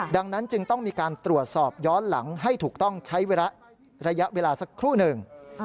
ดังนั้นจึงต้องมีการตรวจสอบย้อนหลังให้ถูกต้องใช้ระยะเวลาสักครู่หนึ่ง